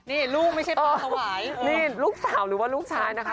นี่ลูกสาวหรือว่าลูกชายนะคะ